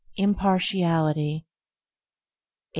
Impartiality 8.